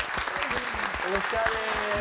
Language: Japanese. おしゃれ！